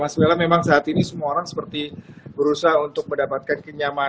oke menarik sekali ya mas memang saat ini semua orang seperti berusaha untuk mendapatkan kenyamanan